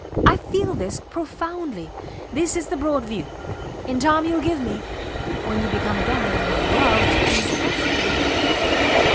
I feel this profoundly. This is the broad view. In time youll give me ... when you become again the woman I loved and trusted.